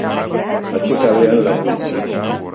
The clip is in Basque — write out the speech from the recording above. Atsekabean lagun.